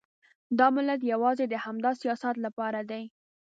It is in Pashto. دا ملت یوازې د همدا سیاست لپاره دی.